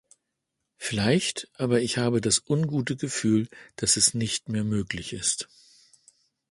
Vielleicht, aber ich habe das ungute Gefühl, dass es nicht mehr möglich ist.